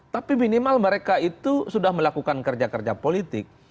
tapi minimal mereka itu sudah melakukan kerja kerja politik